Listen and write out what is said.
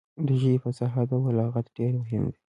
د ژبې فصاحت او بلاغت ډېر مهم دی.